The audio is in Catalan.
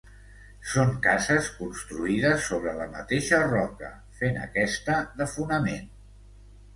Són cases construïdes sobre la mateixa roca, fent aquesta de fonament.